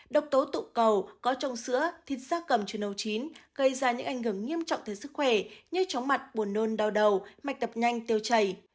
độc tố tụng cầu có trong sữa thịt da cầm chuyển nấu chín gây ra những ảnh hưởng nghiêm trọng tới sức khỏe như chóng mặt buồn nôn đau đầu mạch tập nhanh tiêu chảy